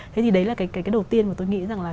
thế thì đấy là cái đầu tiên mà tôi nghĩ rằng là